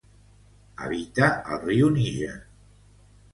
Habita al riu Níger.